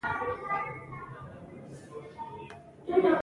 سوله د جنګ د دوام معنی لري.